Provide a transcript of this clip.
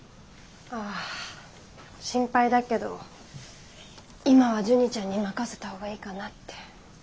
あぁ心配だけど今はジュニちゃんに任せた方がいいかなって。